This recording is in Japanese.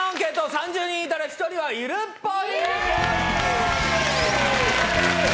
３０人いたら１人はいるっぽい！